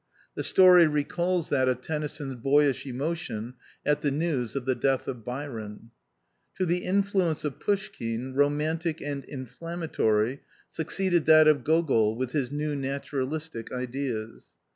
The story recalls that of Tennyson's boyish emotion at the news of the death of Byron. To the influence of Fouschkine, romantic and inflam matory, succeeded that of Gogol, with his new naturalistic ideas.